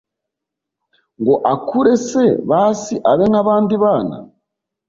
Ngo akure se basi abe nkabandi bana